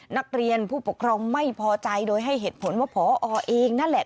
นักเรียนผู้ปกครองไม่พอใจโดยให้เหตุผลว่าพอเองนั่นแหละ